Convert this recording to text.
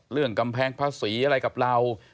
เรื่องกำแพงภาษีอะไรกับเรา